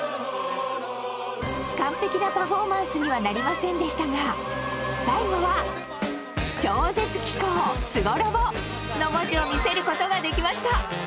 完璧なパフォーマンスにはなりませんでしたが最後は「超絶機巧・すごロボ」の文字を見せることができました！